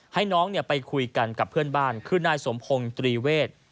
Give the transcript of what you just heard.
ให้น้องไปคุยกันกับเพื่อนบ้านคือนายสมพงศ์ตรีเวท